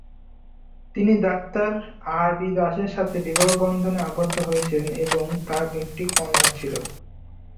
তিনি doctor R B দাসের সাথে বিবাহবন্ধনে আবদ্ধ হয়েছেন এবং তাঁর একটি কন্যা ছিল।